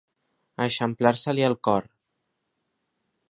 Eixamplar-se-li el cor.